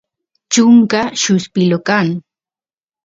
chunka lluspilu kan